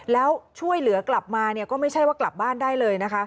แล้วช่วยเหลือกลับมาเนี่ยก็ไม่ใช่ว่ากลับบ้านได้เลยนะคะ